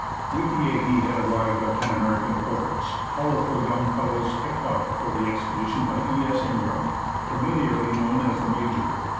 With the Aggie had arrived our ten American porters, powerful young fellows, picked out for the expedition by E. S. Ingraham, familiarly known as "The Major."